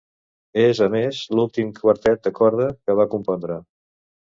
És, a més, l'últim quartet de corda que va compondre.